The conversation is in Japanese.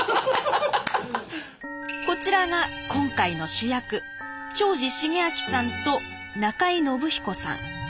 こちらが今回の主役長司重明さんと中井信彦さん。